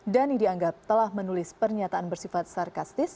dhani dianggap telah menulis pernyataan bersifat sarkastis